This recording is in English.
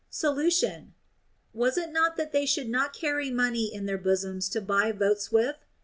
Solution. Was it not that they should not carry money in their bosoms to buy votes with'?